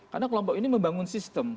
karena kelompok ini membangun sistem